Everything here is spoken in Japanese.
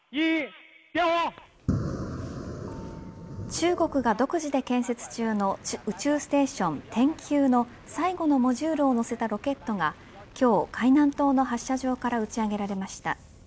中国が独自で建設中の宇宙ステーション天宮の最後のモジュールを載せたロケットが今日、海南島の発射場から打ち上げられました。